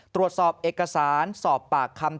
ตรวจสอบเอกสารสอบปากคำ